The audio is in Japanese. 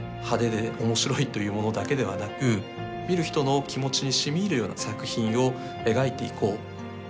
派手で面白いというものだけではなく見る人の気持ちにしみいるような作品を描いていこう。